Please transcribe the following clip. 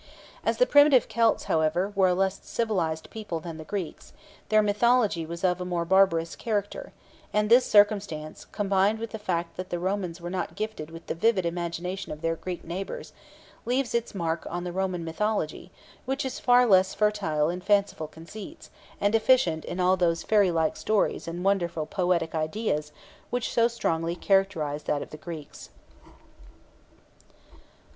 As the primitive Celts, however, were a less civilized people than the Greeks, their mythology was of a more barbarous character, and this circumstance, combined with the fact that the Romans were not gifted with the vivid imagination of their Greek neighbours, leaves its mark on the Roman mythology, which is far less fertile in fanciful conceits, and deficient in all those fairy like stories and wonderfully poetic ideas which so strongly characterize that of the Greeks.